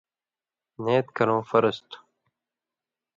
نیت کَرٶں فرض تھُو۔